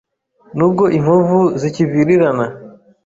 Nubwo inkovu zikivirirana